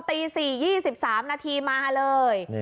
ตี๔๒๓นาทีมาเลย